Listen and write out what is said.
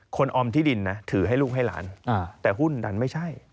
ออมที่ดินนะถือให้ลูกให้หลานแต่หุ้นดันไม่ใช่